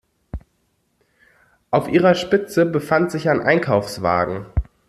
Auf ihrer Spitze befand sich ein Einkaufswagen.